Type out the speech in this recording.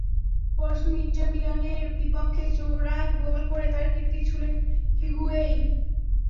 পরশু ইন্টার মিলানের বিপক্ষে জোড়া গোল করে তাঁর কীর্তি ছুঁলেন হিগুয়েইন।